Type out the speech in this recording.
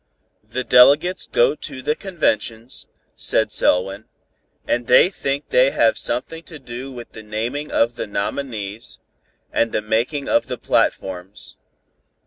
"The delegates go to the conventions," said Selwyn, "and think they have something to do with the naming of the nominees, and the making of the platforms.